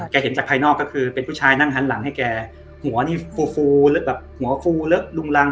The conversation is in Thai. เห็นจากภายนอกก็คือเป็นผู้ชายนั่งหันหลังให้แกหัวนี่ฟูฟูแบบหัวฟูเลอะลุงรัง